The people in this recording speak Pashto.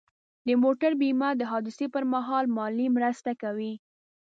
د موټر بیمه د حادثې پر مهال مالي مرسته کوي.